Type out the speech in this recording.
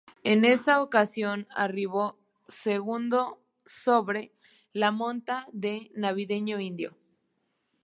En esa ocasión arribó segundo sobre la monta de "Navideño Indio".